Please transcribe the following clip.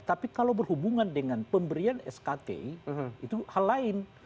tapi kalau berhubungan dengan pemberian skt itu hal lain